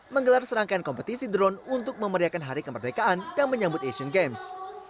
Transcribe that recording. menggelar serangkaian kompetisi drone untuk memeriakan hari kemerdekaan dan menyambut asian games